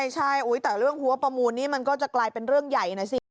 ใช่แต่เรื่องหัวประมูลนี้มันก็จะกลายเป็นเรื่องใหญ่นะสิ